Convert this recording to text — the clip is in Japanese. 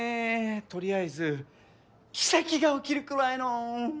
取りあえず奇跡が起きるくらいの。